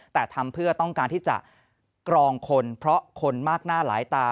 แต่ทำเพื่อต้องการที่จะกรองคนเพราะคนมากหน้าหลายตา